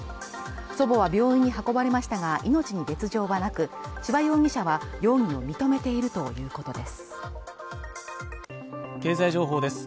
祖母は病院に運ばれましたが命に別状はなく千葉容疑者は容疑を認めているということです